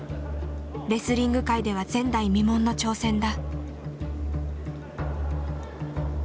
レスリング界では前代未聞の挑戦だ。